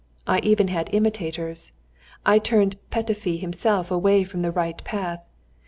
I even had imitators. I turned Petöfi himself away from the right path.